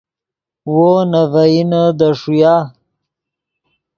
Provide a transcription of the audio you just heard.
وو نے ڤئینے دے ݰویا